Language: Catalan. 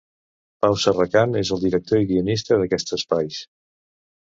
Pau Serracant és el director i guionista d'aquests espais.